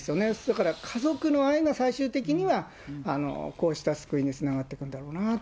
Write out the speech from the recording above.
だから家族の愛が最終的にはこうした救いにつながっていくんだろ